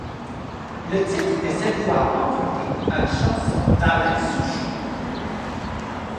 Le titre est cette fois emprunté à une chanson d'Alain Souchon.